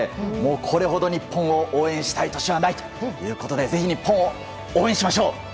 これほど日本を応援したい年はないということでぜひ日本を応援しましょう。